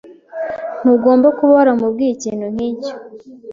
Ntugomba kuba waramubwiye ikintu nkicyo.